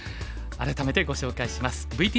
改めてご紹介します。